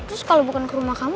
terus kalau bukan ke rumah kamu